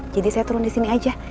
jadi saya turun disini aja